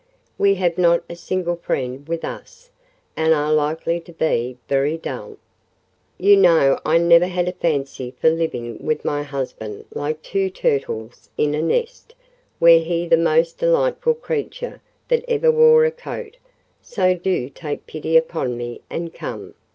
"We have not a single friend with us, and are likely to be very dull. You know I never had a fancy for living with my husband like two turtles in a nest, were he the most delightful creature that ever wore a coat; so do take pity upon me and come.